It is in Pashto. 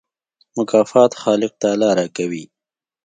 مکافات خالق تعالی راکوي.